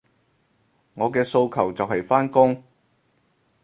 我嘅訴求就係返工